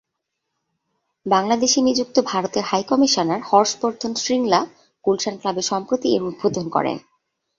বাংলাদেশে নিযুক্ত ভারতের হাইকমিশনার হর্ষবর্ধন শ্রিংলা গুলশান ক্লাবে সম্প্রতি এর উদ্বোধন করেন।